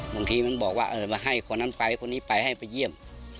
บางทีมันบอกว่ามาให้คนนั้นไปคนนี้ไปให้ไปเยี่ยม